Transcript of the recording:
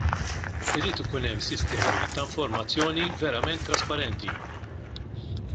Irid ikun hemm sistemi ta' informazzjoni verament trasparenti.